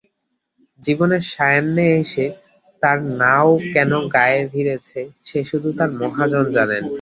জীবনের সায়াহ্নে এসে তাঁর নাও কোন গাঁয়ে ভিড়েছে—সে শুধু তাঁর মহাজন জানেন।